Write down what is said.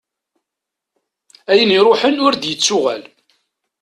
Ayen i iruḥen ur d-yettuɣal.